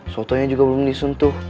sotonya juga belum disentuh